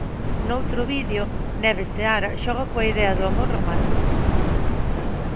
Noutro vídeo, Neves Seara xoga coa idea do amor romántico.